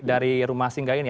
dari rumah singgah ini